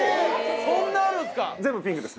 そんなあるんすか？